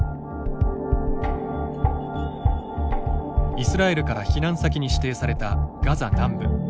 イスラエルから避難先に指定された、ガザ南部。